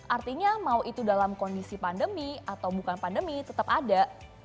artinya mau itu dalam kondisi pandemi atau bukan pandemi tetap ada